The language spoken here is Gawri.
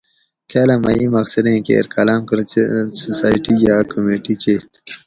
کالام مئی ایں مقصدیں کیر کالام کلچرل سوسائیٹیہ ا کمیٹی چیت